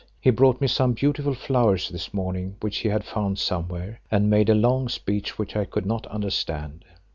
He brought me some beautiful flowers this morning which he had found somewhere, and made a long speech which I could not understand."